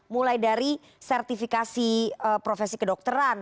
mulai dari sertifikasi profesi kedokteran